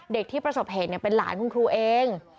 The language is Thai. ที่ประสบเหตุเป็นหลานคุณครูเอง